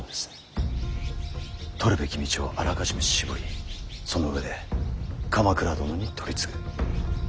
取るべき道をあらかじめ絞りその上で鎌倉殿に取り次ぐ。